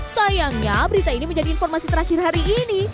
sayangnya berita ini menjadi informasi terakhir hari ini